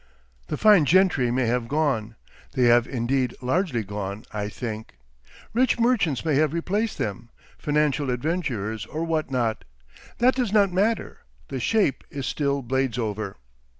The fine gentry may have gone; they have indeed largely gone, I think; rich merchants may have replaced them, financial adventurers or what not. That does not matter; the shape is still Bladesover.